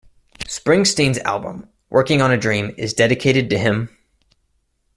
Springsteen's album, "Working on a Dream", is dedicated to him.